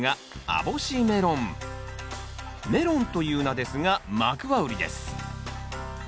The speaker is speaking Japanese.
メロンという名ですがマクワウリです。